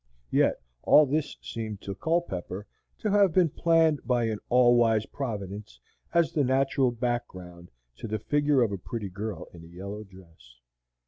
Yet all this seemed to Culpepper to have been planned by an all wise Providence as the natural background to the figure of a pretty girl in a yellow dress.